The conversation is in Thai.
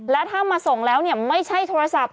และถ้ามาส่งแล้วไม่ใช่โทรศัพท์